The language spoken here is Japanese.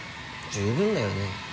十分だよね。